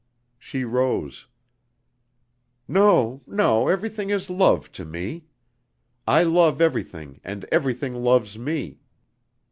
She rose: "No, no. Everything is love to me. I love everything and everything loves me.